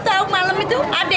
kita itu belum terima apa apa